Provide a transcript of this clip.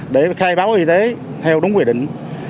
để khai báo y tế theo đúng quy định